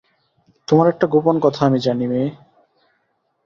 তোমার একটা গোপন কথা আমি জানি, মেয়ে।